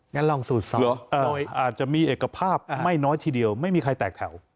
งั้นลองสูดซ้ำโดยอาจจะมีเอกภาพไม่น้อยทีเดียวไม่มีใครแตกแถว